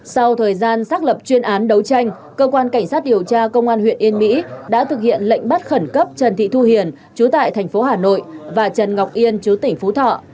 sau thời gian xác lập chuyên án đấu tranh cơ quan cảnh sát điều tra công an huyện yên mỹ đã thực hiện lệnh bắt khẩn cấp trần thị thu hiền chú tại thành phố hà nội và trần ngọc yên chú tỉnh phú thọ